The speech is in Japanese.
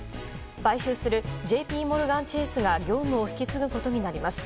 買収するＪＰモルガン・チェースが業務を引き継ぐことになります。